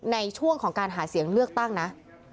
ในช่วงของการหาเสียงเลือกตั้งนะ